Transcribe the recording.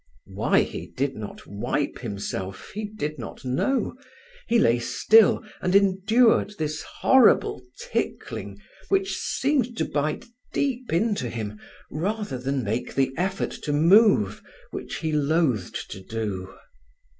Why he did not wipe himself he did not know. He lay still and endured this horrible tickling, which seemed to bite deep into him, rather than make the effort to move, which he loathed to do.